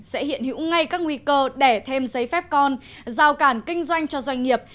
sẽ hiện hữu ngay các nguy cơ đẻ thêm giấy phép con giao cản kinh doanh cho doanh nghiệp